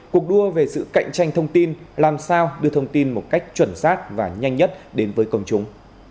cuộc đua về sự cạnh tranh thông tin làm sao đưa thông tin một cách chuẩn xác và nhanh nhất đến với công chúng